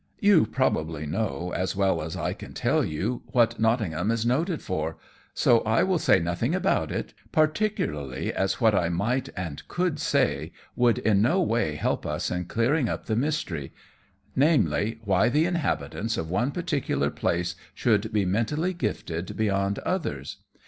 You probably know, as well as I can tell you, what Nottingham is noted for, so I will say nothing about it, particularly as what I might and could say would in no way help us in clearing up the mystery, namely, why the inhabitants of one particular place should be mentally gifted beyond others.